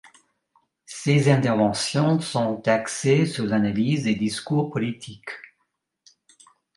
Ses interventions sont axées sur l'analyse des discours politiques.